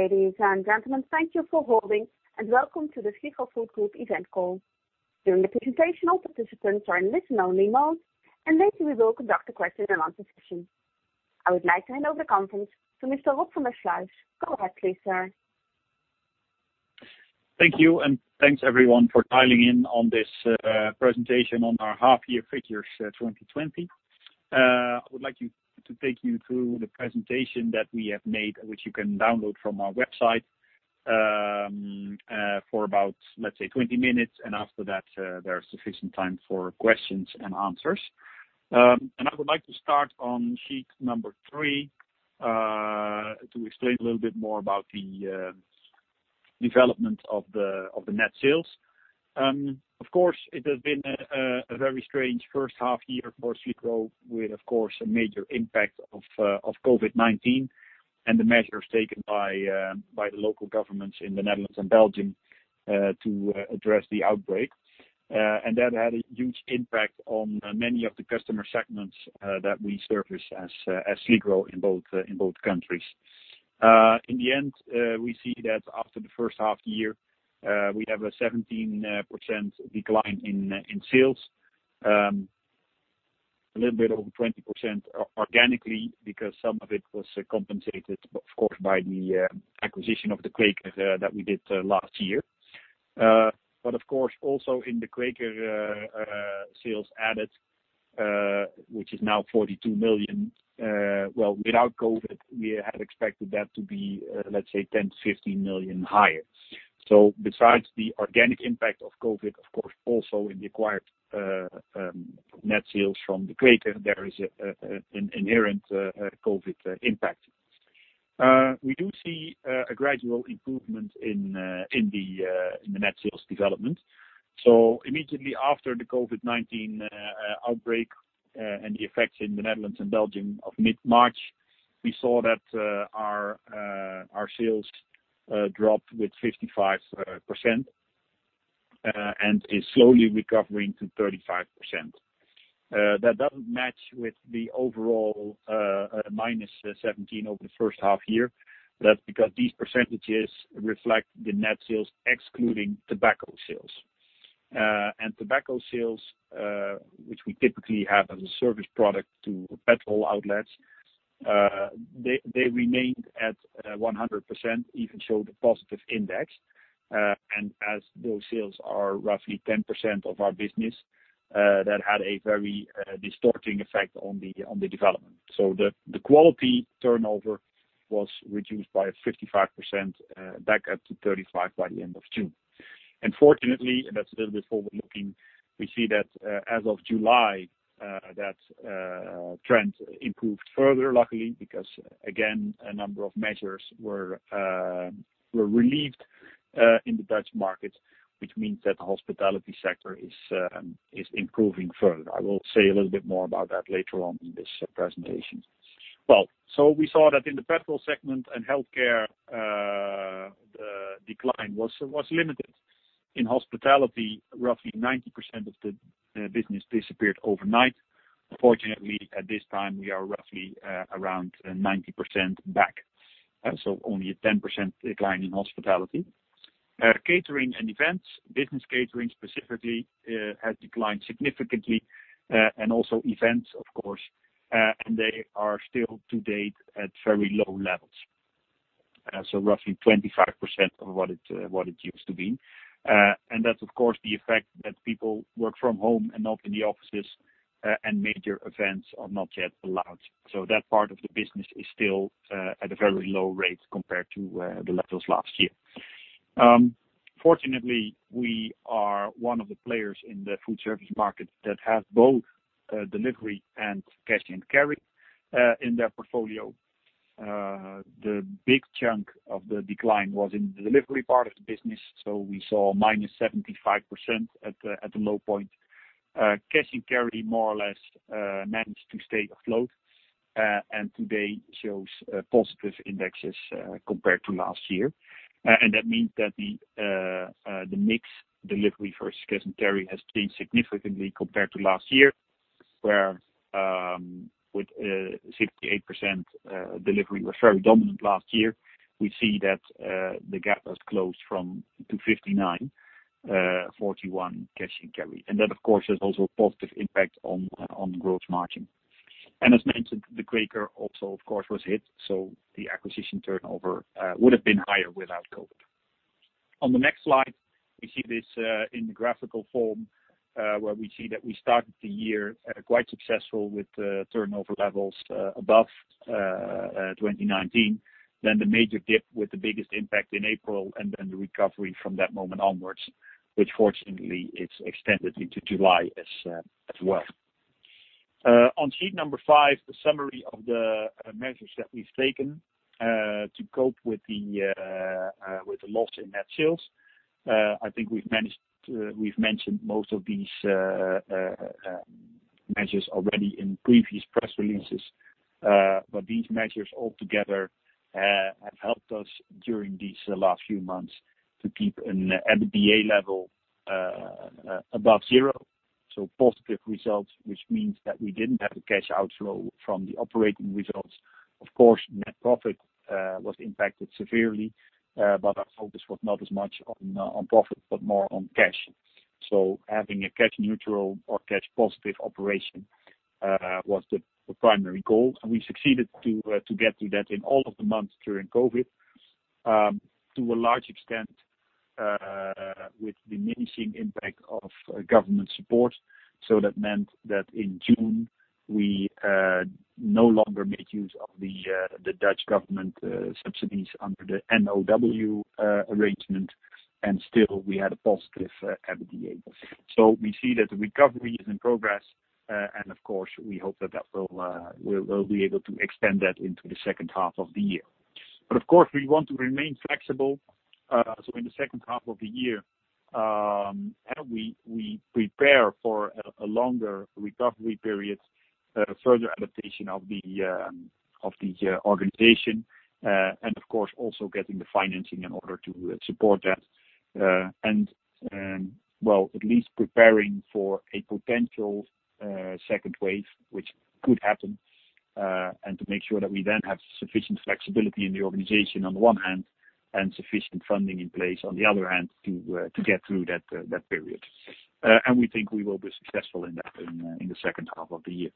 Ladies and gentlemen, thank you for holding and welcome to the Sligro Food Group event call. During the presentation, all participants are in listen only mode, and later we will conduct a question and answer session. I would like to hand over the conference to Mr. Rob van der Sluijs. Go ahead please, sir. Thank you. Thanks everyone for dialing in on this presentation on our half year figures 2020. I would like to take you through the presentation that we have made, which you can download from our website, for about, let's say 20 minutes. After that there is sufficient time for questions and answers. I would like to start on sheet number three, to explain a little bit more about the development of the net sales. Of course, it has been a very strange first half year for Sligro with, of course, a major impact of COVID-19 and the measures taken by the local governments in the Netherlands and Belgium to address the outbreak. That had a huge impact on many of the customer segments that we service as Sligro in both countries. In the end, we see that after the first half year, we have a 17% decline in net sales. A little bit over 20% organically because some of it was compensated, of course, by the acquisition of De Kweker that we did last year. Of course, also in the De Kweker sales added, which is now 42 million. Well, without COVID-19, we had expected that to be, let's say 10 million-15 million higher. Besides the organic impact of COVID-19, of course, also in the acquired net sales from De Kweker, there is an inherent COVID-19 impact. We do see a gradual improvement in the net sales development. Immediately after the COVID-19 outbreak and the effects in the Netherlands and Belgium of mid-March, we saw that our sales dropped with 55% and is slowly recovering to 35%. That doesn't match with the overall -17% over the first half year. That's because these percentages reflect the net sales excluding tobacco sales. Tobacco sales, which we typically have as a service product to petrol outlets, they remained at 100%, even showed a positive index. As those sales are roughly 10% of our business, that had a very distorting effect on the development. The quality turnover was reduced by 55% back up to 35% by the end of June. Fortunately, and that's a little bit forward-looking, we see that as of July, that trend improved further, luckily, because again, a number of measures were relieved in the Dutch market, which means that the hospitality sector is improving further. I will say a little bit more about that later on in this presentation. We saw that in the petrol segment and healthcare, the decline was limited. In hospitality, roughly 90% of the business disappeared overnight. Fortunately, at this time, we are roughly around 90% back. Only a 10% decline in hospitality. Catering and events, business catering specifically, has declined significantly, and also events, of course, and they are still to date at very low levels. Roughly 25% of what it used to be. That's, of course, the effect that people work from home and not in the offices, and major events are not yet allowed. That part of the business is still at a very low rate compared to the levels last year. Fortunately, we are one of the players in the foodservice market that have both delivery and cash and carry in their portfolio. The big chunk of the decline was in the delivery part of the business, so we saw minus 75% at the low point. Cash and carry more or less managed to stay afloat and today shows positive indexes compared to last year. That means that the mix delivery versus cash and carry has changed significantly compared to last year, where with 68% delivery was very dominant last year. We see that the gap has closed to 59, 41 cash and carry. That, of course, has also a positive impact on gross margin. As mentioned, De Kweker also, of course, was hit, so the acquisition turnover would have been higher without COVID. On the next slide, we see this in the graphical form, where we see that we started the year quite successful with turnover levels above 2019, then the major dip with the biggest impact in April, and then the recovery from that moment onwards, which fortunately, it's extended into July as well. On sheet number five, the summary of the measures that we've taken to cope with the loss in net sales. I think we've mentioned most of these measures already in previous press releases. These measures altogether have helped us during these last few months to keep an EBITDA level above zero. Positive results, which means that we didn't have a cash outflow from the operating results. Of course, net profit was impacted severely, but our focus was not as much on profit, but more on cash. Having a cash neutral or cash positive operation was the primary goal, and we succeeded to get to that in all of the months during COVID-19, to a large extent with diminishing impact of government support. That meant that in June, we no longer made use of the Dutch government subsidies under the NOW arrangement, and still we had a positive EBITDA. We see that the recovery is in progress and of course, we hope that we'll be able to extend that into the second half of the year. Of course, we want to remain flexible. In the second half of the year, we prepare for a longer recovery period, further adaptation of the organization, and of course, also getting the financing in order to support that. Well, at least preparing for a potential second wave, which could happen, and to make sure that we then have sufficient flexibility in the organization on one hand, and sufficient funding in place on the other hand to get through that period. We think we will be successful in that in the second half of the year.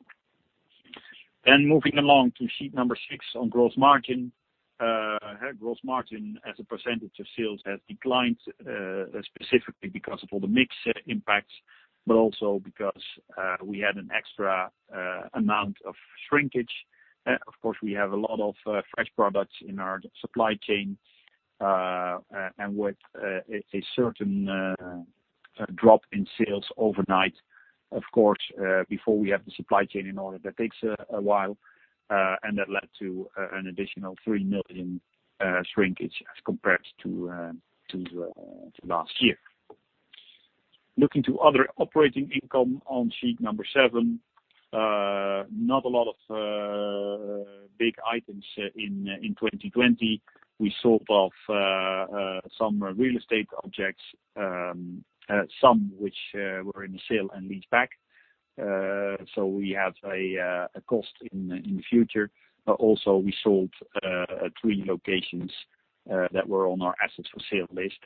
Moving along to sheet number six on gross margin. Gross margin as a percentage of sales has declined, specifically because of all the mix impacts, but also because we had an extra amount of shrinkage. Of course, we have a lot of fresh products in our supply chain, and with a certain drop in sales overnight, of course, before we have the supply chain in order, that takes a while, and that led to an additional 3 million shrinkage as compared to last year. Looking to other operating income on sheet number seven. Not a lot of big items in 2020. We sold off some real estate objects, some which were in a sale and lease back. We have a cost in the future, but also we sold three locations that were on our assets for sale list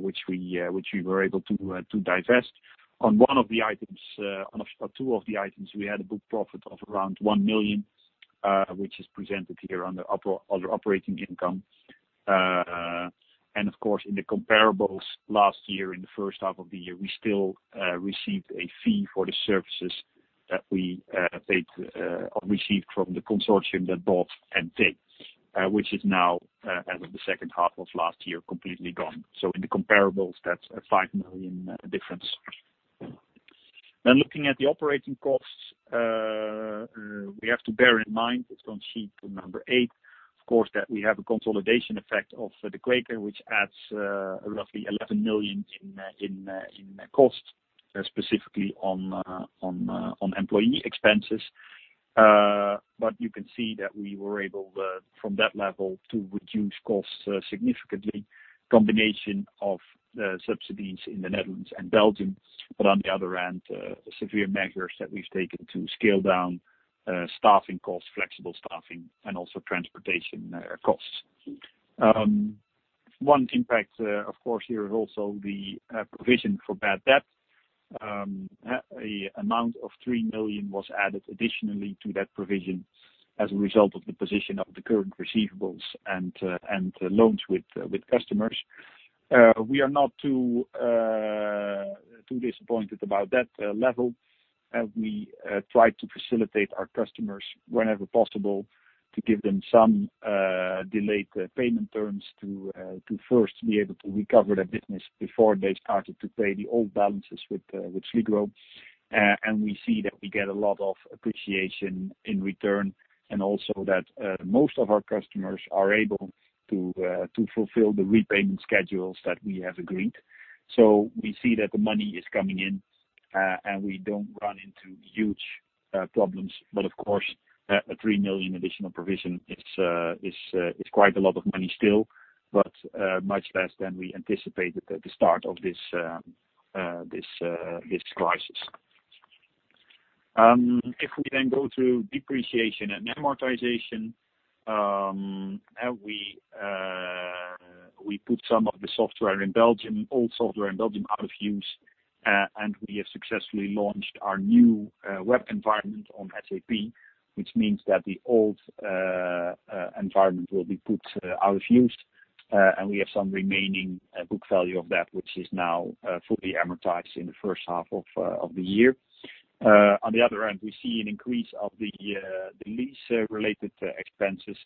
which we were able to divest. On two of the items, we had a book profit of around 1 million, which is presented here on the other operating income. Of course, in the comparables last year, in the first half of the year, we still received a fee for the services that we paid or received from the consortium that bought EMTÉ, which is now as of the second half of last year, completely gone. In the comparables, that's a 5 million difference. Looking at the operating costs, we have to bear in mind it's on sheet number eight, of course, that we have a consolidation effect of De Kweker, which adds roughly 11 million in cost, specifically on employee expenses. You can see that we were able from that level to reduce costs significantly. Combination of subsidies in the Netherlands and Belgium. On the other hand, severe measures that we've taken to scale down staffing costs, flexible staffing, and also transportation costs. One impact of course here is also the provision for bad debt. An amount of 3 million was added additionally to that provision as a result of the position of the current receivables and loans with customers. We are not too disappointed about that level as we try to facilitate our customers whenever possible to give them some delayed payment terms to first be able to recover their business before they started to pay the old balances with Sligro. We see that we get a lot of appreciation in return, and also that most of our customers are able to fulfill the repayment schedules that we have agreed. We see that the money is coming in, and we don't run into huge problems. Of course, a 3 million additional provision is quite a lot of money still, but much less than we anticipated at the start of this crisis. We then go through depreciation and amortization, we put some of the software in Belgium, old software in Belgium out of use, and we have successfully launched our new web environment on SAP, which means that the old environment will be put out of use. We have some remaining book value of that, which is now fully amortized in the first half of the year. On the other hand, we see an increase of the lease-related expenses.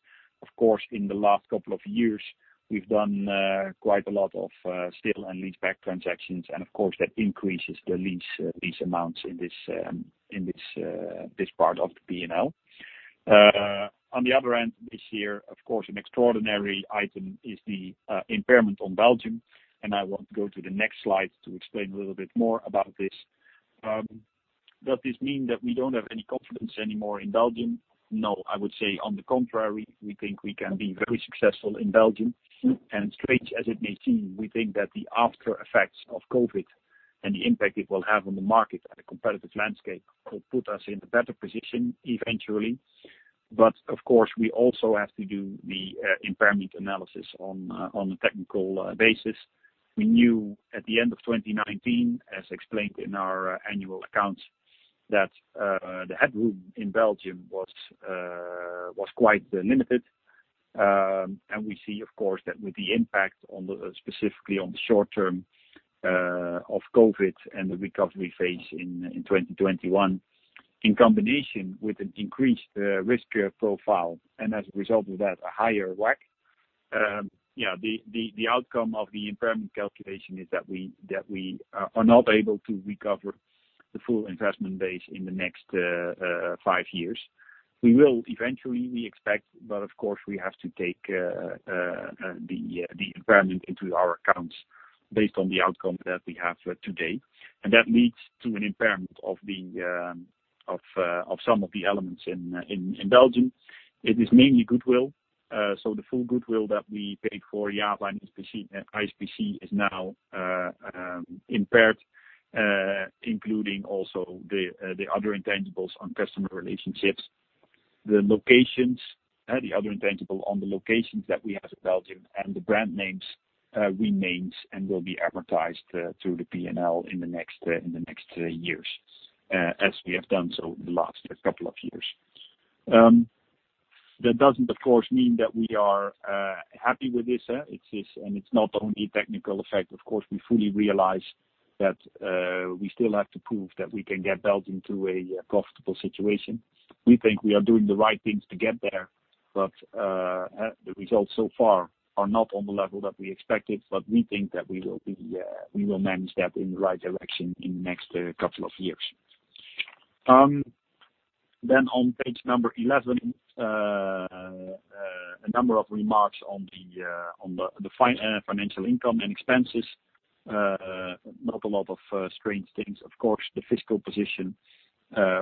Of course, in the last couple of years, we've done quite a lot of sale and leaseback transactions, and of course, that increases the lease amounts in this part of the P&L. On the other hand, this year, of course, an extraordinary item is the impairment on Belgium, and I want to go to the next slide to explain a little bit more about this. Does this mean that we don't have any confidence anymore in Belgium? No, I would say on the contrary, we think we can be very successful in Belgium. Strange as it may seem, we think that the after effects of COVID-19 and the impact it will have on the market and the competitive landscape will put us in a better position eventually. Of course, we also have to do the impairment analysis on a technical basis. We knew at the end of 2019, as explained in our annual accounts, that the headroom in Belgium was quite limited. We see, of course, that with the impact, specifically on the short term of COVID-19 and the recovery phase in 2021, in combination with an increased risk profile and as a result of that, a higher WACC. The outcome of the impairment calculation is that we are not able to recover the full investment base in the next five years. We will eventually, we expect, but of course, we have to take the impairment into our accounts based on the outcome that we have today. That leads to an impairment of some of the elements in Belgium. It is mainly goodwill. The full goodwill that we paid for JAVA ISPC is now impaired, including also the other intangibles on customer relationships. The other intangibles on the locations that we have in Belgium and the brand names remain and will be amortized through the P&L in the next years, as we have done so in the last couple of years. That doesn't, of course, mean that we are happy with this. It's not only a technical effect. Of course, we fully realize that we still have to prove that we can get Belgium to a profitable situation. We think we are doing the right things to get there, but the results so far are not on the level that we expected, but we think that we will manage that in the right direction in the next couple of years. On page number 11, a number of remarks on the financial income and expenses. Not a lot of strange things. The fiscal position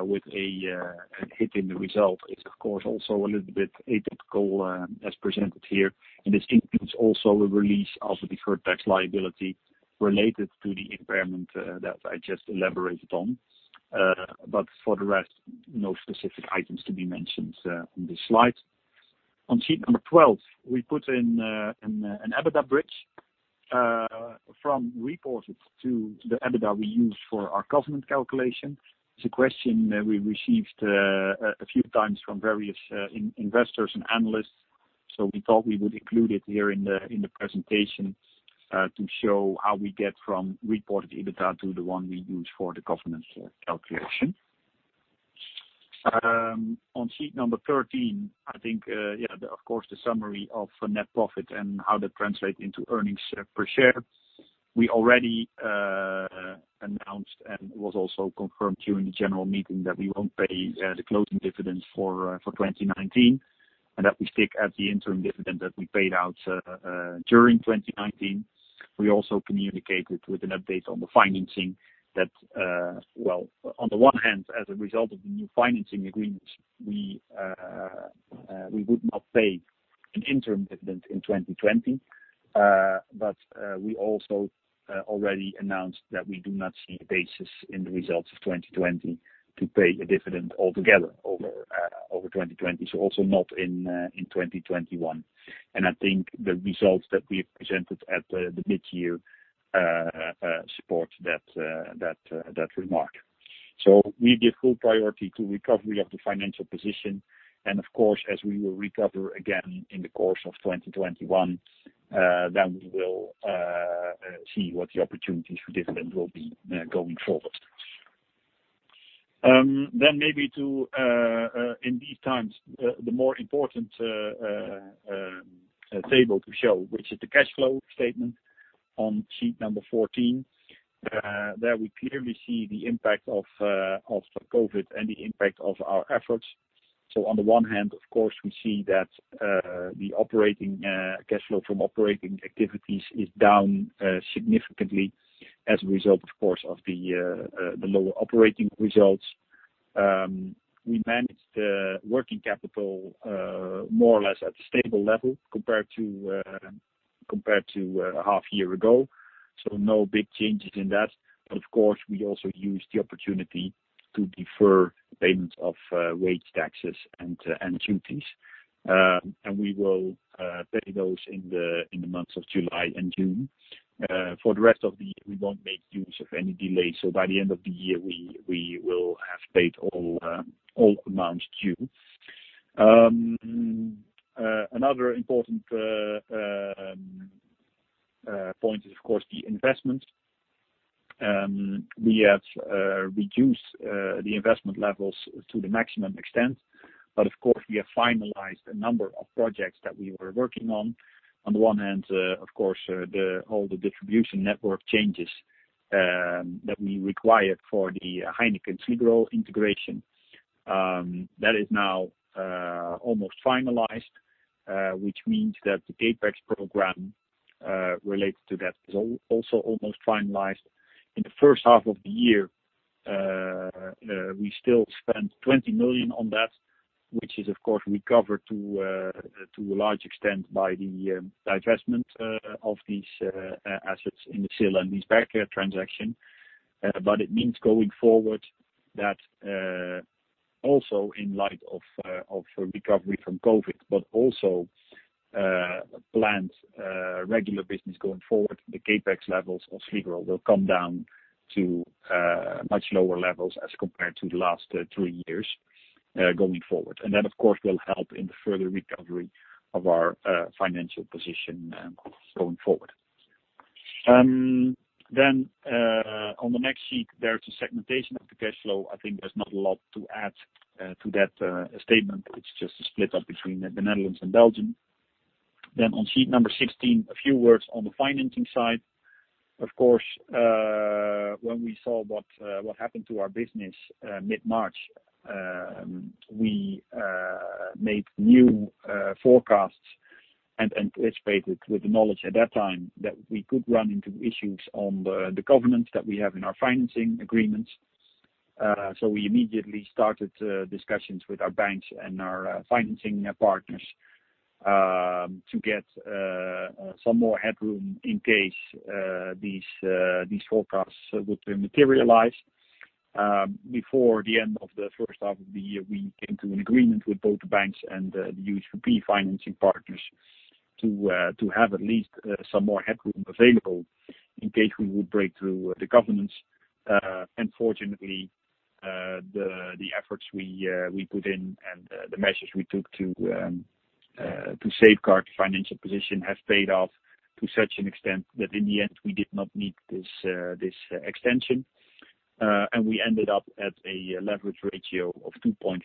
with a hit in the result is also a little bit atypical as presented here. This includes also a release of a deferred tax liability related to the impairment that I just elaborated on. For the rest, no specific items to be mentioned on this slide. On sheet number 12, we put in an EBITDA bridge from reported to the NOW we used for our covenant calculation. It's a question that we received a few times from various investors and analysts. We thought we would include it here in the presentation to show how we get from reported EBITDA to the one we use for the covenants calculation. On sheet number 13, I think, of course, the summary of net profit and how that translates into earnings per share. We already announced and was also confirmed during the general meeting that we won't pay the closing dividend for 2019, and that we stick at the interim dividend that we paid out during 2019. We also communicated with an update on the financing that, well, on the one hand, as a result of the new financing agreement, we would not pay an interim dividend in 2020. We also already announced that we do not see a basis in the results of 2020 to pay a dividend altogether over 2020, also not in 2021. I think the results that we've presented at the mid-year support that remark. We give full priority to recovery of the financial position. Of course, as we will recover again in the course of 2021, we will see what the opportunities for dividend will be going forward. Maybe to, in these times, the more important table to show, which is the cash flow statement on sheet number 14. There we clearly see the impact of COVID-19 and the impact of our efforts. On the one hand, of course, we see that the cash flow from operating activities is down significantly as a result, of course, of the lower operating results. We managed working capital more or less at a stable level compared to a half year ago. No big changes in that. Of course, we also used the opportunity to defer payment of wage taxes and duties. We will pay those in the months of July and June. For the rest of the year, we won't make use of any delays. By the end of the year, we will have paid all amounts due. Another important point is, of course, the investment. We have reduced the investment levels to the maximum extent, but of course, we have finalized a number of projects that we were working on. On the one hand, of course, all the distribution network changes that we required for the Heineken Sligro integration. That is now almost finalized, which means that the CapEx program related to that is also almost finalized. In the first half of the year, we still spent 20 million on that, which is, of course, recovered to a large extent by the divestment of these assets in the Sligro and HeinekenSil and Wiesberger transaction. It means going forward that, also in light of recovery from COVID, but also planned regular business going forward, the CapEx levels of Sligro will come down to much lower levels as compared to the last three years going forward. That, of course, will help in the further recovery of our financial position going forward. On the next sheet, there is a segmentation of the cash flow. I think there's not a lot to add to that statement. It's just a split up between the Netherlands and Belgium. On sheet number 16, a few words on the financing side. Of course, when we saw what happened to our business mid-March, we made new forecasts and anticipated with the knowledge at that time that we could run into issues on the covenants that we have in our financing agreements. We immediately started discussions with our banks and our financing partners to get some more headroom in case these forecasts would materialize. Before the end of the first half of the year, we came to an agreement with both the banks and the USPP financing partners to have at least some more headroom available in case we would break through the covenants. Fortunately, the efforts we put in and the measures we took to safeguard the financial position have paid off to such an extent that in the end, we did not need this extension. We ended up at a leverage ratio of 2.5,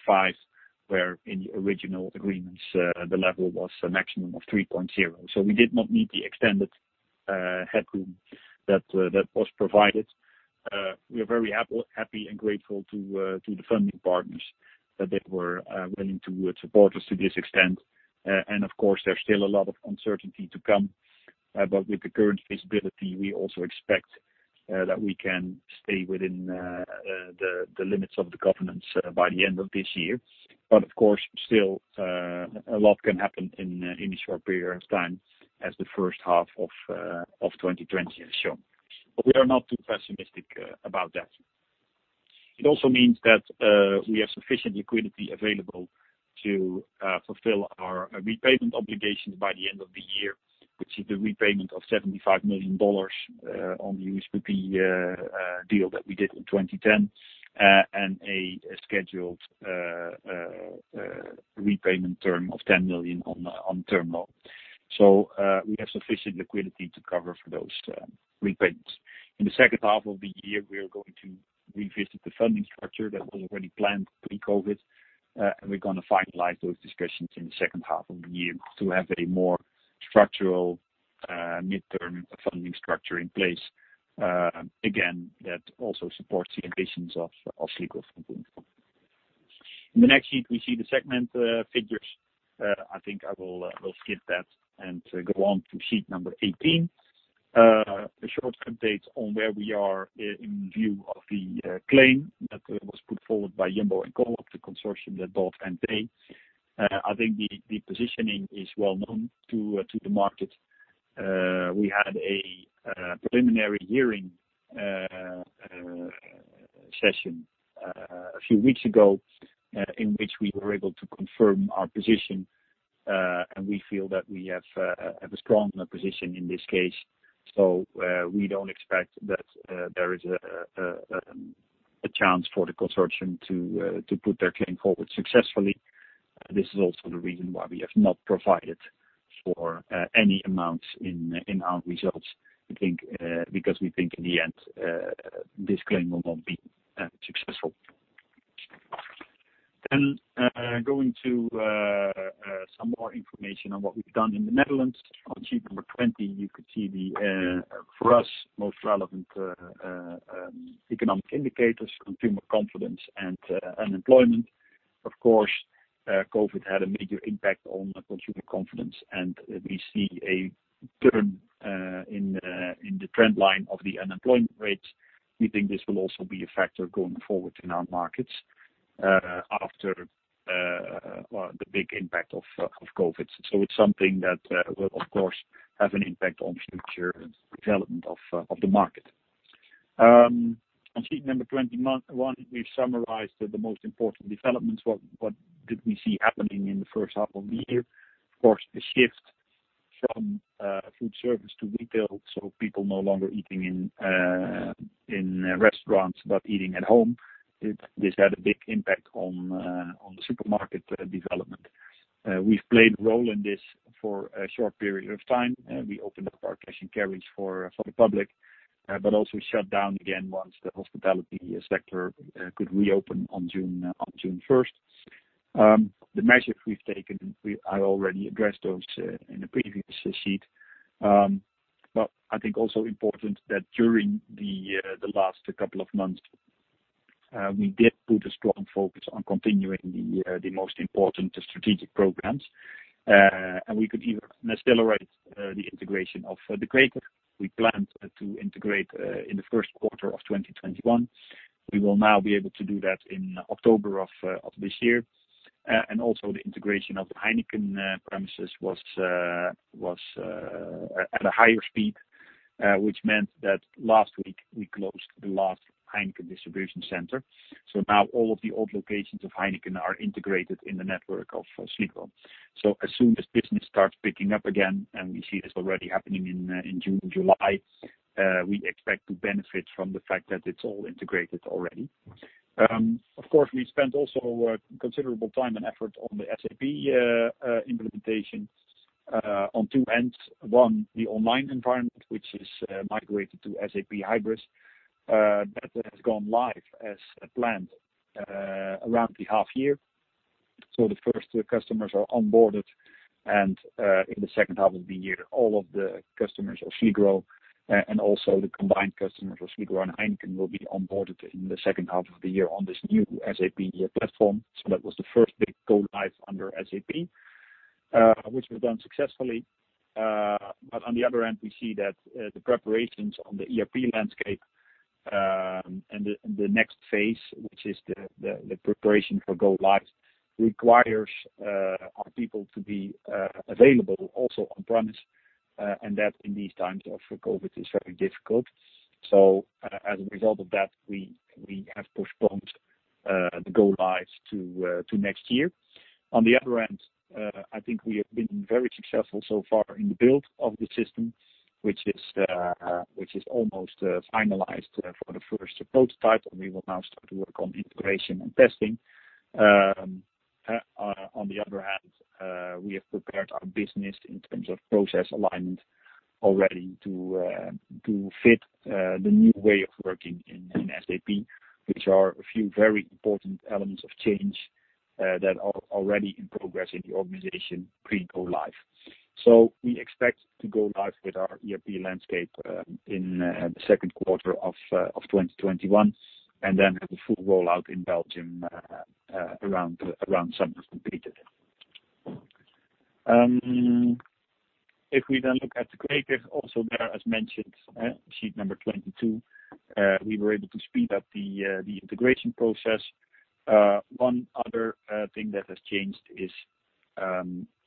where in the original agreements, the level was a maximum of 3.0. We did not need the extended headroom that was provided. We are very happy and grateful to the funding partners that they were willing to support us to this extent. Of course, there's still a lot of uncertainty to come, but with the current visibility, we also expect that we can stay within the limits of the covenants by the end of this year. Of course, still a lot can happen in a short period of time as the first half of 2020 has shown. We are not too pessimistic about that. It also means that we have sufficient liquidity available to fulfill our repayment obligations by the end of the year, which is the repayment of EUR 75 million on the USPP deal that we did in 2010, and a scheduled repayment term of 10 million on term loan. We have sufficient liquidity to cover for those repayments. In the second half of the year, we are going to revisit the funding structure that was already planned pre-COVID-19. We're going to finalize those discussions in the second half of the year to have a more structural midterm funding structure in place. Again, that also supports the ambitions of Sligro Food Group. In the next sheet, we see the segment figures. I think I will skip that and go on to sheet number 18. A short update on where we are in view of the claim that was put forward by Jumbo and Coop, the consortium that bought EMTÉ. I think the positioning is well known to the market. We had a preliminary hearing session a few weeks ago in which we were able to confirm our position. We feel that we have a strong position in this case. We don't expect that there is a chance for the consortium to put their claim forward successfully. This is also the reason why we have not provided for any amounts in our results, because we think in the end, this claim will not be successful. Going to some more information on what we've done in the Netherlands. On sheet number 20, you could see the, for us, most relevant economic indicators, consumer confidence, and unemployment. Of course, COVID had a major impact on consumer confidence, and we see a turn in the trend line of the unemployment rate. We think this will also be a factor going forward in our markets after the big impact of COVID. It's something that will, of course, have an impact on future development of the market. On sheet number 21, we've summarized the most important developments, what did we see happening in the first half of the year. The shift from foodservice to retail, so people no longer eating in restaurants but eating at home. This had a big impact on the supermarket development. We've played a role in this for a short period of time. We opened up our cash and carries for the public, shut down again once the hospitality sector could reopen on June 1st. The measures we've taken, I already addressed those in the previous sheet. I think also important that during the last couple of months, we did put a strong focus on continuing the most important strategic programs, and we could even accelerate the integration of De Kweker we planned to integrate in the first quarter of 2021. We will now be able to do that in October of this year. Also the integration of Heineken premises was at a higher speed, which meant that last week we closed the last Heineken distribution center. Now all of the old locations of Heineken are integrated in the network of Sligro. As soon as business starts picking up again, and we see this already happening in June and July, we expect to benefit from the fact that it's all integrated already. Of course, we spent also considerable time and effort on the SAP implementation on two ends. One, the online environment, which is migrated to SAP Hybris, that has gone live as planned around the half year. The first customers are onboarded and in the second half of the year, all of the customers of Sligro and also the combined customers of Sligro and Heineken will be onboarded in the second half of the year on this new SAP platform. That was the first big go live under SAP, which was done successfully. On the other end, we see that the preparations on the ERP landscape, and the next phase, which is the preparation for go live, requires our people to be available also on premise, and that in these times of COVID is very difficult. As a result of that, we have postponed the go live to next year. On the other end, I think we have been very successful so far in the build of the system, which is almost finalized for the first prototype, and we will now start to work on integration and testing. On the other hand, we have prepared our business in terms of process alignment already to fit the new way of working in SAP, which are a few very important elements of change that are already in progress in the organization pre go live. We expect to go live with our ERP landscape in the second quarter of 2021, and then have the full rollout in Belgium around summer completed. If we then look at De Kweker also there, as mentioned, sheet number 22, we were able to speed up the integration process. One other thing that has changed is,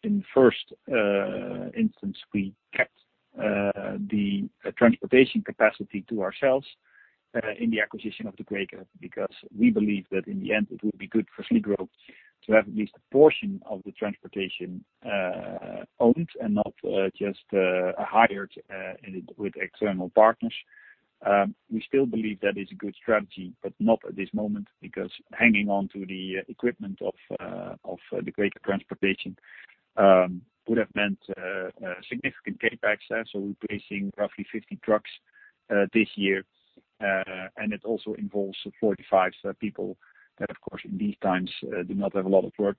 in first instance, we kept the transportation capacity to ourselves in the acquisition of De Kweker because we believe that in the end, it would be good for Sligro to have at least a portion of the transportation owned and not just hired with external partners. We still believe that is a good strategy, but not at this moment, because hanging on to the equipment of De Kweker transportation would have meant a significant CapEx. We're replacing roughly 50 trucks this year, and it also involves 45 people that, of course, in these times, do not have a lot of work.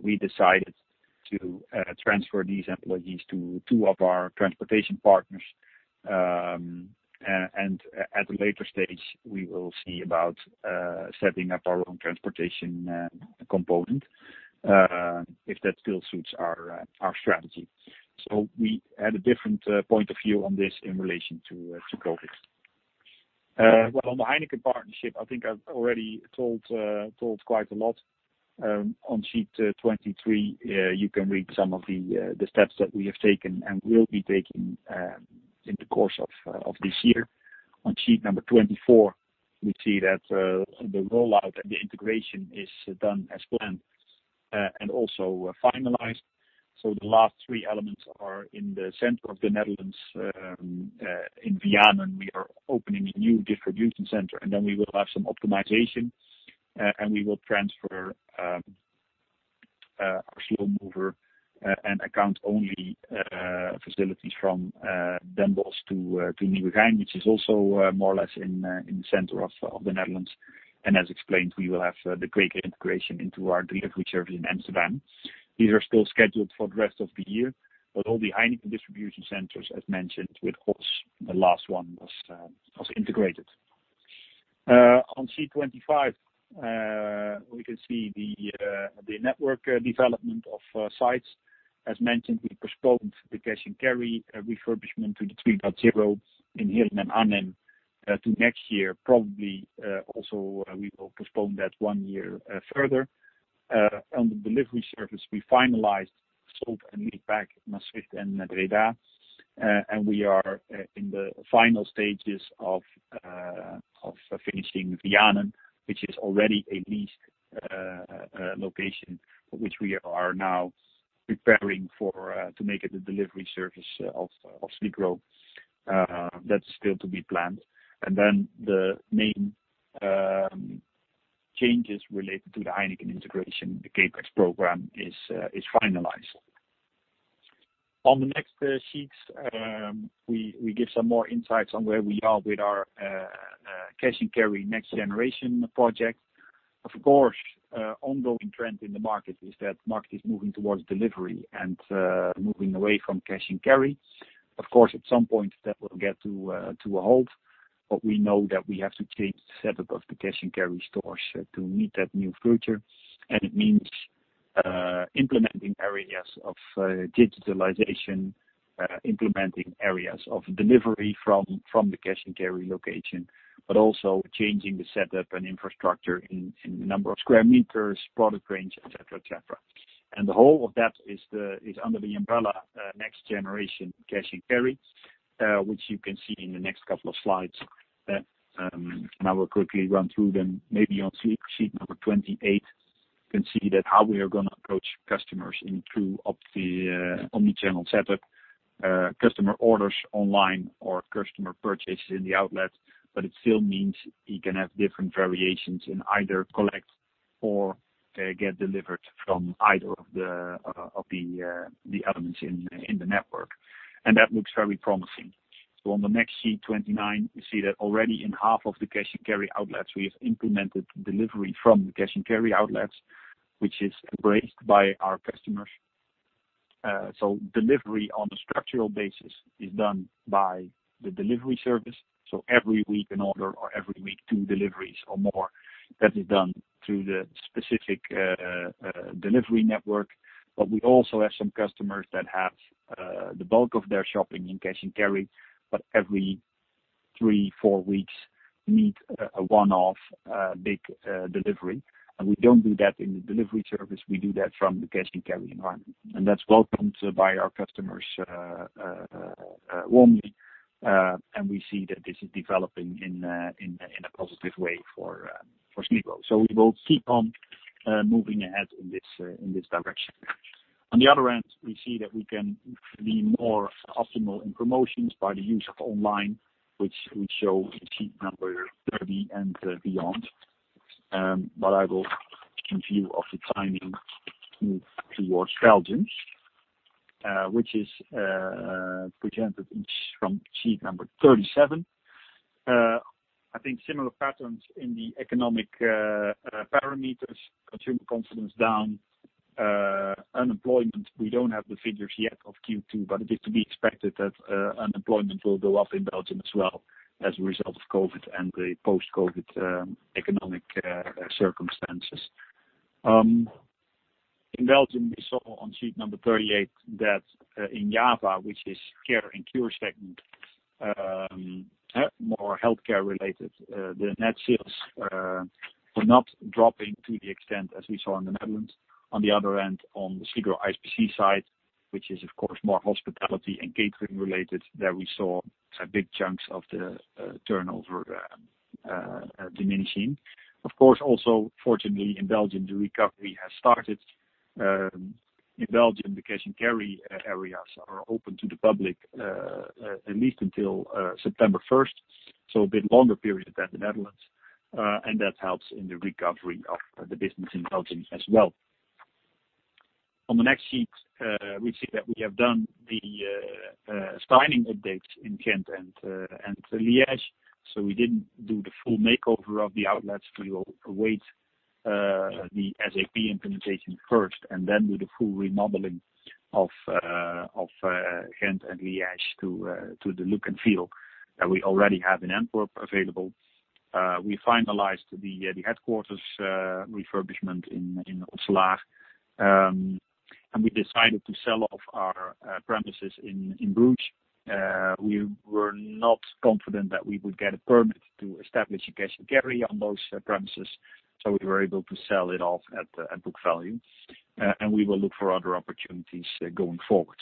We decided to transfer these employees to two of our transportation partners, and at a later stage, we will see about setting up our own transportation component, if that still suits our strategy. We had a different point of view on this in relation to COVID. Well, on the Heineken partnership, I think I've already told quite a lot. On sheet 23, you can read some of the steps that we have taken and will be taking in the course of this year. On sheet number 24, we see that the rollout and the integration is done as planned and also finalized. The last three elements are in the center of the Netherlands, in Vianen, we are opening a new distribution center, and then we will have some optimization, and we will transfer our slow mover and account only facilities from Den Bosch to Nieuwegein, which is also more or less in the center of the Netherlands. As explained, we will have the greater integration into our delivery center in Amsterdam. These are still scheduled for the rest of the year, but all the Heineken distribution centers, as mentioned, with Oss, the last one was integrated. On sheet 25, we can see the network development of sites. As mentioned, we postponed the cash and carry refurbishment to the 3.0 in Heerlen and Arnhem to next year, probably also we will postpone that one year further. On the delivery service, we finalized Soest and Amersfoort, Maasvliet and Breda, and we are in the final stages of finishing Vianen, which is already a leased location, which we are now preparing to make it a delivery service of Sligro. That's still to be planned. The main changes related to the Heineken integration, the CapEx program is finalized. On the next sheets, we give some more insights on where we are with our cash and carry next generation project. Of course, ongoing trend in the market is that market is moving towards delivery and moving away from cash and carry. Of course, at some point that will get to a halt, but we know that we have to change the setup of the cash and carry stores to meet that new future. It means implementing areas of digitalization, implementing areas of delivery from the cash and carry location, but also changing the setup and infrastructure in number of square meters, product range, et cetera. The whole of that is under the umbrella next generation cash and carry, which you can see in the next couple of slides. We'll quickly run through them. Maybe on sheet number 28, you can see that how we are going to approach customers in true omnichannel setup. Customer orders online or customer purchases in the outlet, it still means you can have different variations in either collect or get delivered from either of the elements in the network. That looks very promising. On the next sheet 29, you see that already in half of the cash and carry outlets, we have implemented delivery from the cash and carry outlets, which is embraced by our customers. Delivery on a structural basis is done by the delivery service. Every week an order or every week two deliveries or more, that is done through the specific delivery network. We also have some customers that have the bulk of their shopping in cash and carry, but every three, four weeks need a one-off big delivery. We don't do that in the delivery service, we do that from the cash and carry environment. That's welcomed by our customers warmly, and we see that this is developing in a positive way for Sligro. We will keep on moving ahead in this direction. On the other end, we see that we can be more optimal in promotions by the use of online, which we show in sheet number 30 and beyond. I will, in view of the timing, move towards Belgium, which is presented from sheet number 37. I think similar patterns in the economic parameters, consumer confidence down, unemployment, we don't have the figures yet of Q2, but it is to be expected that unemployment will go up in Belgium as well as a result of COVID and the post-COVID economic circumstances. In Belgium, we saw on sheet number 38 that in Java, which is care and cure segment, more healthcare related, the net sales were not dropping to the extent as we saw in the Netherlands. On the other end, on the Sligro-ISPC side, which is of course more hospitality and catering related, there we saw big chunks of the turnover diminishing. Of course also, fortunately, in Belgium, the recovery has started. In Belgium, the cash and carry areas are open to the public at least until September 1st, so a bit longer period than the Netherlands, and that helps in the recovery of the business in Belgium as well. On the next sheet, we see that we have done the styling updates in Ghent and Liège. We didn't do the full makeover of the outlets. We will await the SAP implementation first and then do the full remodeling of Ghent and Liège to the look and feel that we already have in Antwerp available. We finalized the headquarters refurbishment in Rotselaar, and we decided to sell off our premises in Bruges. We were not confident that we would get a permit to establish a cash and carry on those premises, so we were able to sell it off at book value. We will look for other opportunities going forward.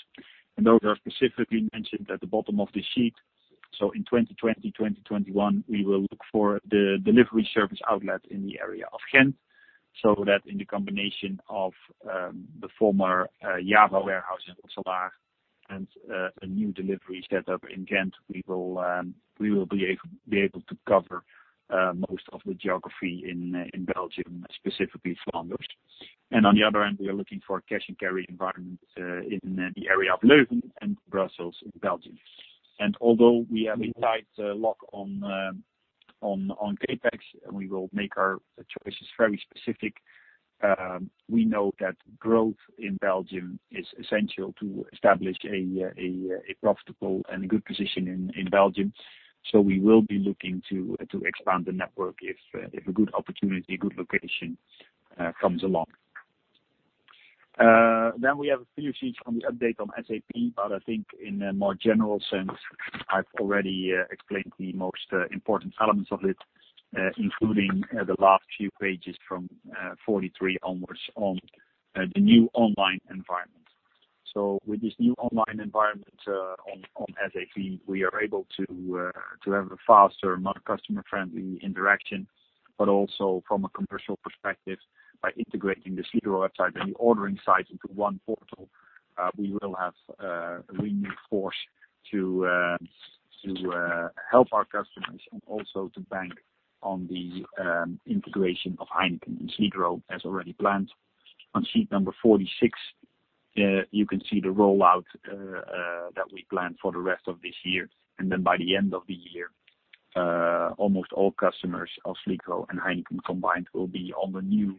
Rotselaar Those are specifically mentioned at the bottom of the sheet. In 2020, 2021, we will look for the delivery service outlet in the area of Ghent, so that in the combination of the former Java warehouse in Rotselaar and a new delivery set up in Ghent, we will be able to cover most of the geography in Belgium, specifically Flanders. On the other end, we are looking for cash and carry environment in the area of Leuven and Brussels in Belgium. Although we have a tight lock on CapEx, we will make our choices very specific. We know that growth in Belgium is essential to establish a profitable and a good position in Belgium. We will be looking to expand the network if a good opportunity, a good location comes along. We have a few sheets on the update on SAP, but I think in a more general sense, I've already explained the most important elements of it, including the last few pages from 43 onwards on the new online environment. With this new online environment on SAP, we are able to have a faster, more customer-friendly interaction, but also from a commercial perspective, by integrating the Sligro website and the ordering site into one portal, we will have a renewed force to help our customers and also to bank on the integration of Heineken and Sligro as already planned. Sheet number 46, you can see the rollout that we planned for the rest of this year. By the end of the year, almost all customers of Sligro and Heineken combined will be on the new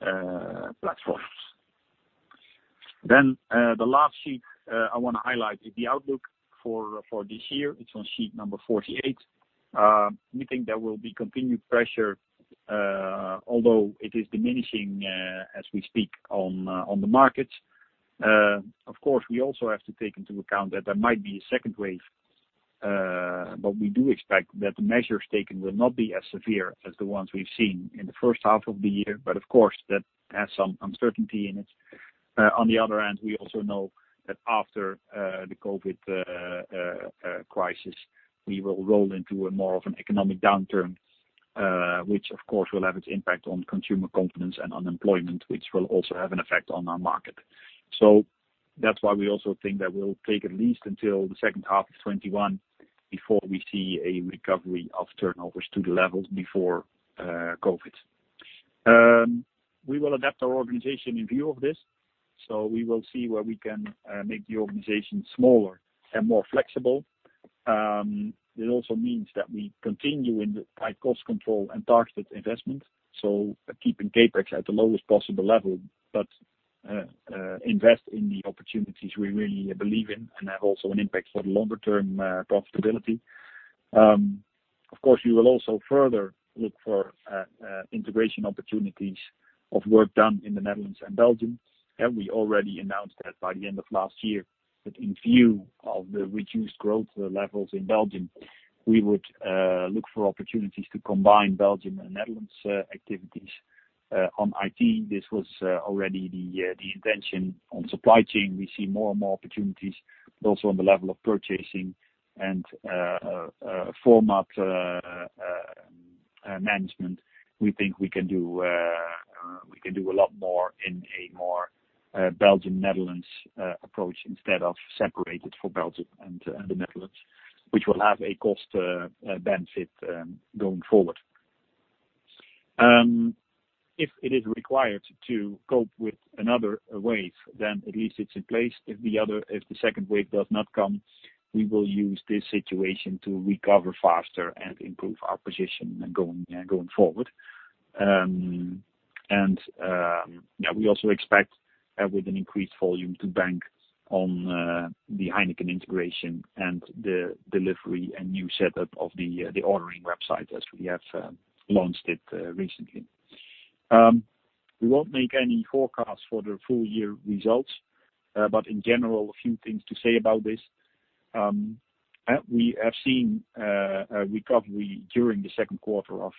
platforms. The last sheet I want to highlight is the outlook for this year. It's on sheet number 48. We think there will be continued pressure, although it is diminishing as we speak, on the markets. Of course, we also have to take into account that there might be a second wave, but we do expect that the measures taken will not be as severe as the ones we've seen in the first half of the year. Of course, that has some uncertainty in it. On the other hand, we also know that after the COVID-19 crisis, we will roll into a more of an economic downturn, which of course will have its impact on consumer confidence and unemployment, which will also have an effect on our market. That's why we also think that we'll take at least until the second half of 2021 before we see a recovery of turnovers to the levels before COVID-19. We will adapt our organization in view of this, so we will see where we can make the organization smaller and more flexible. It also means that we continue in the tight cost control and targeted investment, so keeping CapEx at the lowest possible level, but invest in the opportunities we really believe in, and have also an impact for the longer term profitability. We will also further look for integration opportunities of work done in the Netherlands and Belgium, and we already announced that by the end of last year that in view of the reduced growth levels in Belgium, we would look for opportunities to combine Belgium and Netherlands activities on IT. This was already the intention on supply chain. We see more and more opportunities, but also on the level of purchasing and format management. We think we can do a lot more in a more Belgium-Netherlands approach instead of separated for Belgium and The Netherlands, which will have a cost benefit going forward. If it is required to cope with another wave, then at least it's in place. If the second wave does not come, we will use this situation to recover faster and improve our position going forward. We also expect with an increased volume to bank on the Heineken integration and the delivery and new setup of the ordering website as we have launched it recently. We won't make any forecasts for the full year results, but in general, a few things to say about this. We have seen a recovery during the second quarter of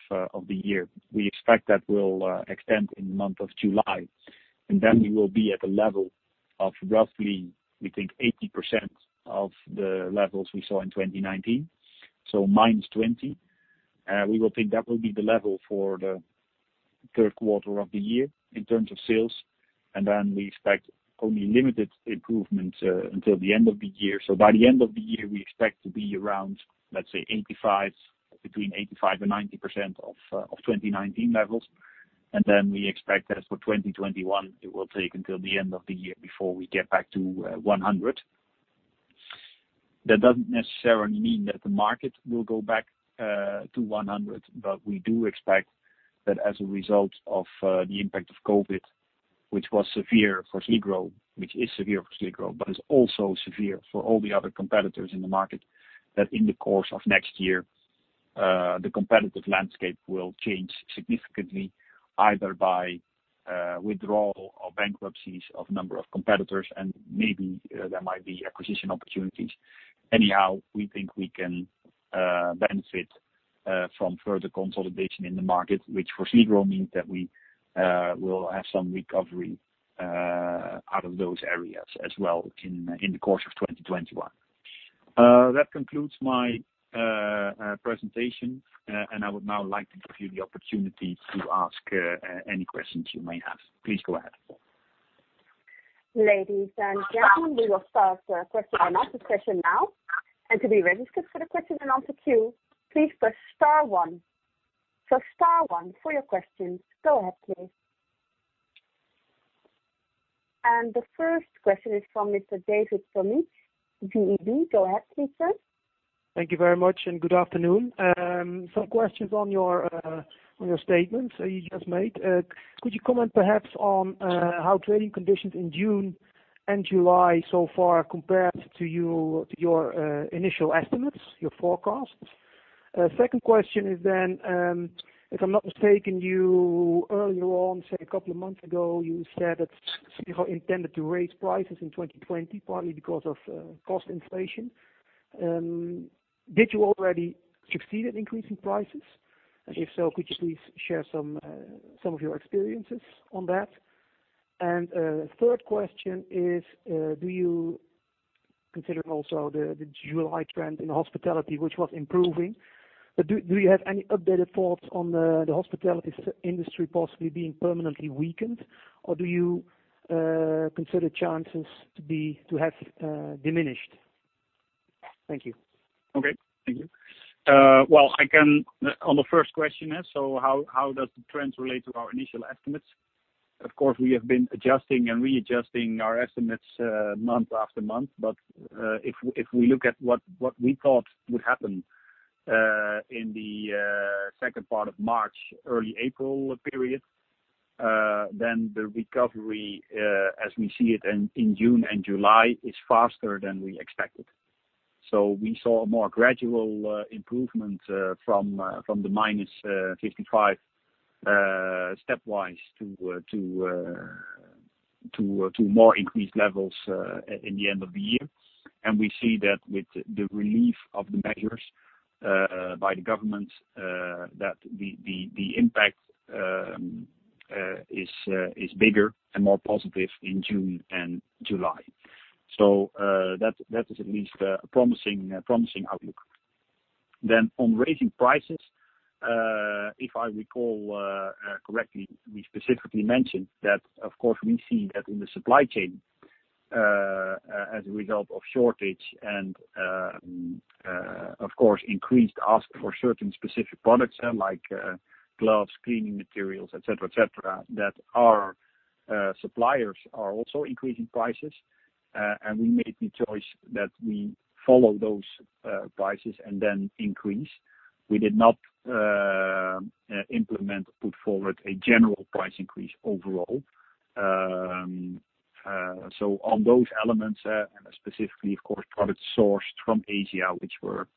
the year. We expect that will extend in the month of July, and then we will be at a level of roughly, we think 80% of the levels we saw in 2019, so minus 20. We will think that will be the level for the third quarter of the year in terms of sales. Then we expect only limited improvements until the end of the year. By the end of the year, we expect to be around, let's say, between 85% and 90% of 2019 levels. Then we expect that for 2021, it will take until the end of the year before we get back to 100. That doesn't necessarily mean that the market will go back to 100, but we do expect that as a result of the impact of COVID, which was severe for Sligro, which is severe for Sligro, but is also severe for all the other competitors in the market, that in the course of next year, the competitive landscape will change significantly, either by withdrawal or bankruptcies of a number of competitors, and maybe there might be acquisition opportunities. Anyhow, we think we can benefit from further consolidation in the market, which for Sligro means that we will have some recovery out of those areas as well in the course of 2021. That concludes my presentation, and I would now like to give you the opportunity to ask any questions you may have. Please go ahead. Ladies and gentlemen, we will start the question and answer session now. To be registered for the question and answer queue, please press star one. The first question is from Mr. David Vagman, BNP. Go ahead, please, sir. Thank you very much, good afternoon. Some questions on your statements that you just made. Could you comment perhaps on how trading conditions in June and July so far compared to your initial estimates, your forecasts? Second question is, if I'm not mistaken, you earlier on, say a couple of months ago, you said that Sligro intended to raise prices in 2020, partly because of cost inflation. Did you already succeed in increasing prices? If so, could you please share some of your experiences on that? Third question is, do you, considering also the July trend in hospitality, which was improving. Do you have any updated thoughts on the hospitality industry possibly being permanently weakened, or do you consider chances to have diminished? Thank you. Okay. Thank you. Well, on the first question, how does the trends relate to our initial estimates? Of course, we have been adjusting and readjusting our estimates month after month. If we look at what we thought would happen in the second part of March, early April period, then the recovery as we see it in June and July is faster than we expected. We saw a more gradual improvement from the -55% stepwise to more increased levels in the end of the year. We see that with the relief of the measures by the government that the impact is bigger and more positive in June and July. That is at least a promising outlook. On raising prices, if I recall correctly, we specifically mentioned that, of course, we see that in the supply chain as a result of shortage and of course increased ask for certain specific products like gloves, cleaning materials, et cetera, that our suppliers are also increasing prices. We made the choice that we follow those prices and then increase. We did not implement or put forward a general price increase overall. On those elements, and specifically of course, product sourced from Asia, which were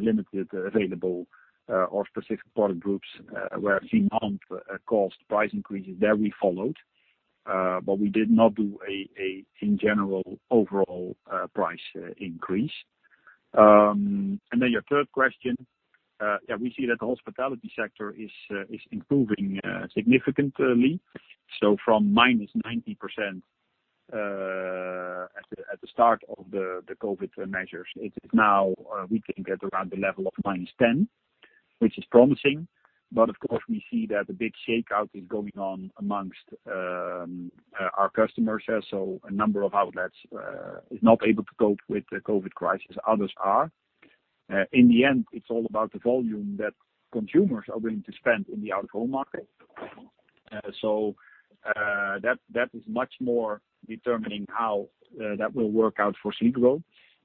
limited available or specific product groups where we've seen month cost price increases there we followed, but we did not do a general overall price increase. Your third question, yeah, we see that the hospitality sector is improving significantly. From -90% at the start of the COVID measures, it is now we think at around the level of -10%, which is promising. Of course, we see that a big shakeout is going on amongst our customers there. A number of outlets is not able to cope with the COVID crisis. Others are. In the end, it's all about the volume that consumers are willing to spend in the out-of-home market. That is much more determining how that will work out for Sligro,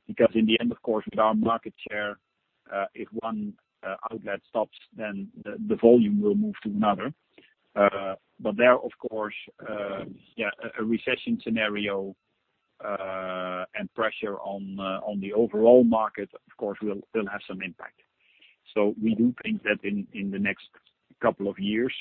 because in the end, of course, with our market share, if one outlet stops then the volume will move to another. There, of course, a recession scenario and pressure on the overall market, of course, will have some impact. We do think that in the next couple of years,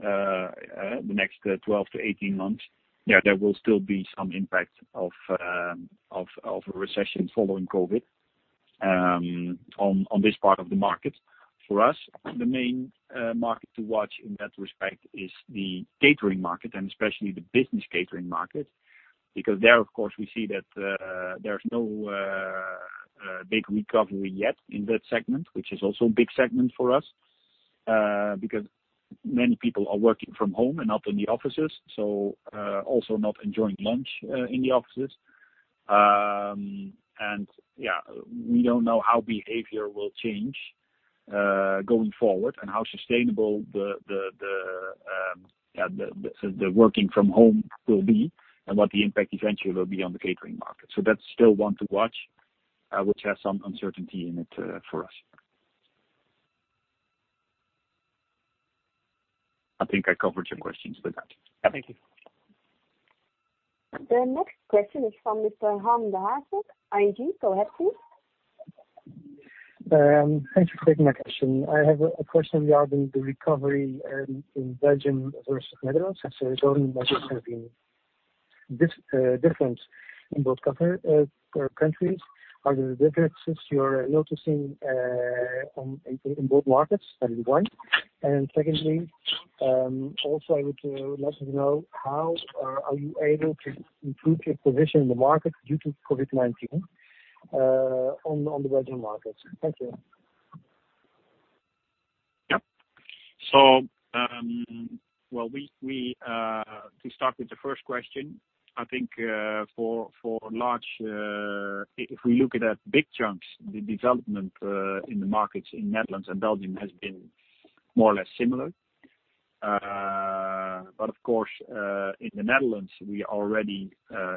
the next 12 - 18 months, there will still be some impact of a recession following COVID-19, on this part of the market. For us, the main market to watch in that respect is the catering market and especially the business catering market, because there, of course, we see that there's no big recovery yet in that segment, which is also a big segment for us, because many people are working from home and not in the offices. Also not enjoying lunch in the offices. We don't know how behavior will change going forward and how sustainable the working from home will be and what the impact eventually will be on the catering market. That's still one to watch, which has some uncertainty in it for us. I think I covered your questions with that. Thank you. The next question is from Mr. Marc Zwartsenburg, ING. Go ahead please. Thank you for taking my question. I have a question regarding the recovery in Belgium versus Netherlands, as the government measures have been different in both countries. Are there differences you are noticing in both markets? That is one. Secondly, also I would like to know how are you able to improve your position in the market due to COVID-19, on the Belgian market. Thank you. To start with the first question, I think if we look at big chunks, the development in the markets in Netherlands and Belgium has been more or less similar. Of course, in the Netherlands we already,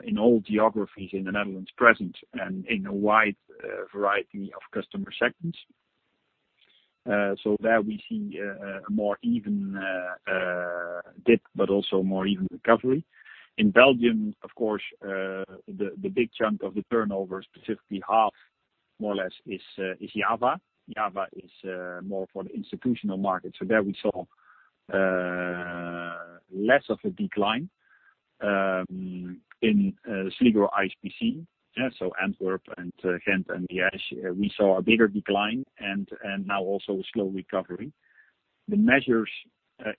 in all geographies in the Netherlands present and in a wide variety of customer segments. There we see a more even dip, but also more even recovery. In Belgium, of course, the big chunk of the turnover, specifically half more or less is Java. Java is more for the institutional market. There we saw less of a decline in Sligro-ISPC. Antwerp and Ghent and Diegem, we saw a bigger decline and now also a slow recovery. The measures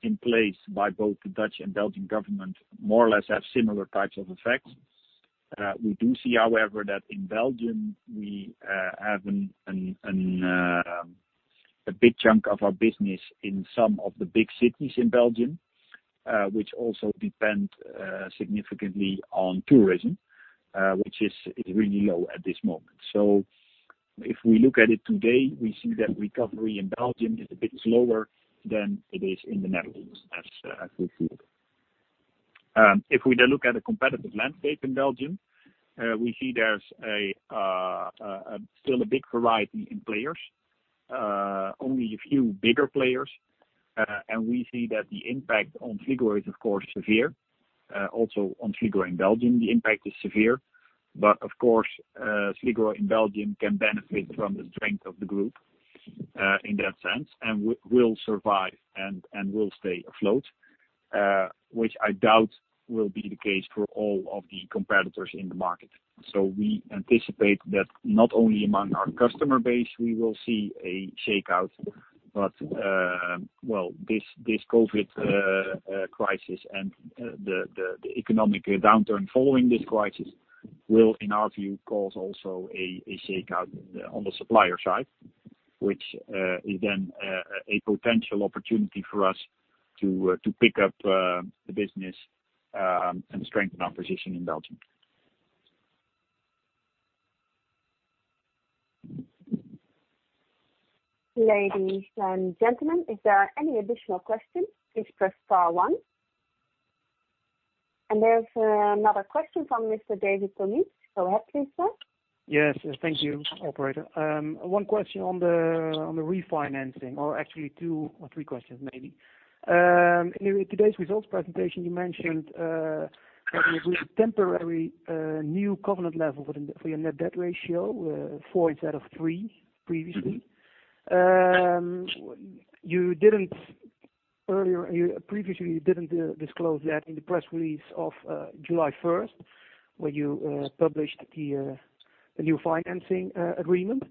in place by both the Dutch and Belgian government more or less have similar types of effects. We do see, however, that in Belgium, we have a big chunk of our business in some of the big cities in Belgium, which also depend significantly on tourism, which is really low at this moment. If we look at it today, we see that recovery in Belgium is a bit slower than it is in the Netherlands, as we feel. If we look at the competitive landscape in Belgium, we see there's still a big variety in players. Only a few bigger players. We see that the impact on Sligro is, of course, severe. Also on Sligro in Belgium, the impact is severe. Of course, Sligro in Belgium can benefit from the strength of the group in that sense, and will survive and will stay afloat, which I doubt will be the case for all of the competitors in the market. We anticipate that not only among our customer base, we will see a shakeout, but this COVID-19 crisis and the economic downturn following this crisis will, in our view, cause also a shakeout on the supplier side. Which is then a potential opportunity for us to pick up the business and strengthen our position in Belgium. Ladies and gentlemen, if there are any additional questions, please press star one. There's another question from Mr. David Vagman. Go ahead, please, sir. Yes. Thank you, operator. One question on the refinancing, or actually two or three questions maybe. In today's results presentation, you mentioned that you agreed a temporary new covenant level for your net debt ratio, 4 instead of 3 previously. Earlier, you previously didn't disclose that in the press release of July 1st, when you published the new financing agreement.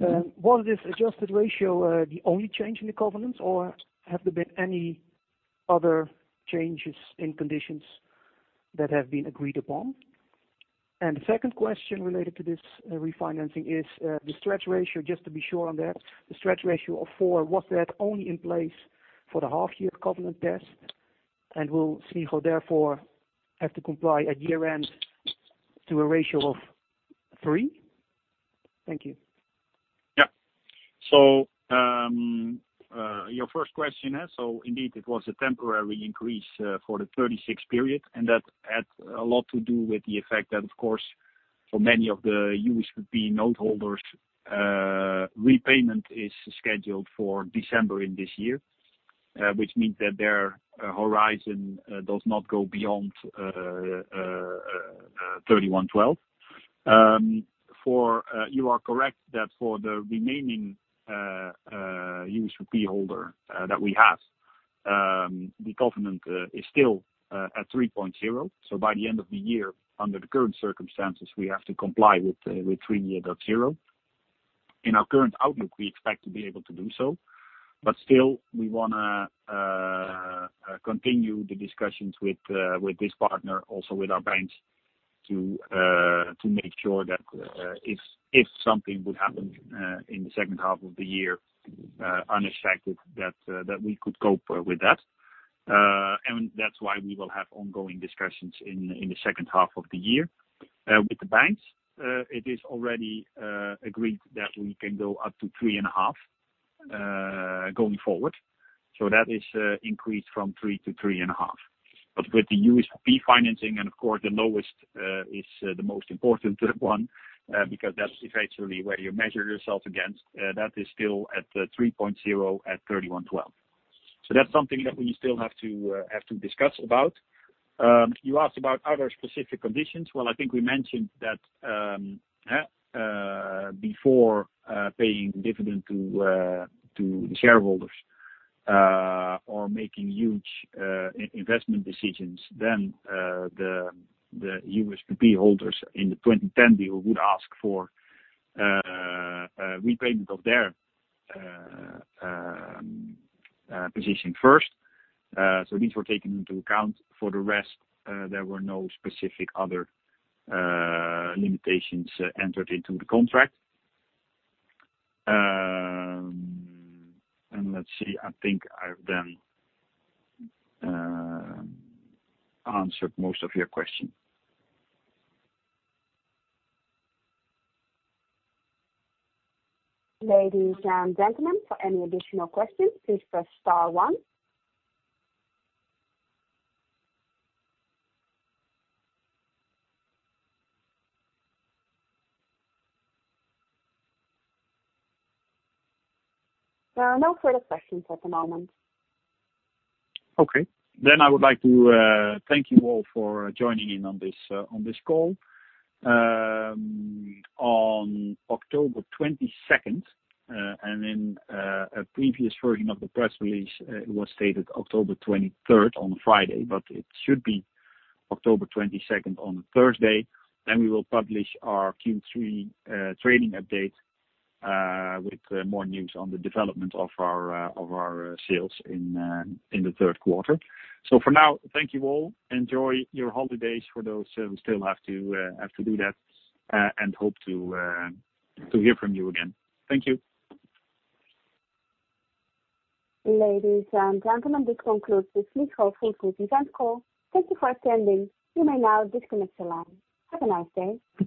Was this adjusted ratio the only change in the covenants, or have there been any other changes in conditions that have been agreed upon? The second question related to this refinancing is the stretch ratio, just to be sure on that, the stretch ratio of 4, was that only in place for the half year covenant test? Will Sligro therefore have to comply at year-end to a ratio of 3? Thank you. Yeah. Your first question. Indeed, it was a temporary increase for the 30/6 period, and that had a lot to do with the effect that, of course, for many of the USPP note holders, repayment is scheduled for December in this year. That means that their horizon does not go beyond 31/12. You are correct that for the remaining USPP holder that we have, the covenant is still at 3.0. By the end of the year, under the current circumstances, we have to comply with 3.0. In our current outlook, we expect to be able to do so. Still, we want to continue the discussions with this partner, also with our banks, to make sure that if something would happen in the second half of the year unexpected, that we could cope with that. That's why we will have ongoing discussions in the second half of the year. With the banks, it is already agreed that we can go up to 3.5, going forward. That is increased from 3 to 3.5. With the USPP financing, and of course the lowest is the most important one, because that's effectively where you measure yourself against. That is still at 3.0 at 31/12. That's something that we still have to discuss about. You asked about other specific conditions. Well, I think we mentioned that before paying dividend to the shareholders or making huge investment decisions, then the USPP holders in the 2010 deal would ask for repayment of their position first. These were taken into account. For the rest, there were no specific other limitations entered into the contract. Let's see. I think I've then answered most of your question. There are no further questions at the moment. Okay. I would like to thank you all for joining in on this call. On October 22nd, and in a previous version of the press release, it was stated October 23rd on Friday, but it should be October 22nd on Thursday, then we will publish our Q3 trading update with more news on the development of our sales in the third quarter. For now, thank you all. Enjoy your holidays for those who still have to do that. Hope to hear from you again. Thank you. Ladies and gentlemen, this concludes the Sligro Food Group event call. Thank you for attending. You may now disconnect your line. Have a nice day.